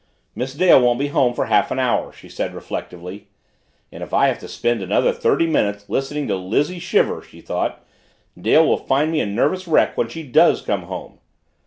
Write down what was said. "Miss Dale won't be home for half an hour," she said reflectively. And if I have to spend another thirty minutes listening to Lizzie shiver, she thought, Dale will find me a nervous wreck when she does come home.